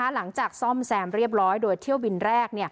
ซ่อมแซมเรียบร้อยโดยเที่ยวบินแรก